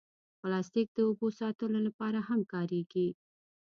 پلاستيک د اوبو ساتلو لپاره هم کارېږي.